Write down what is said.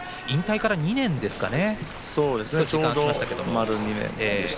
引退から１年ですね。